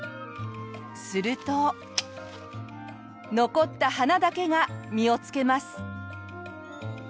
すると残った花だけが実をつけます。